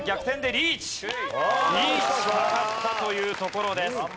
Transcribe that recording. リーチかかったというところです。